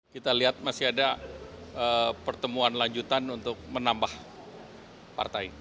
kita lihat masih ada pertemuan lanjutan untuk menambah partai